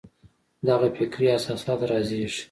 دغه فکري اساسات رازېږي.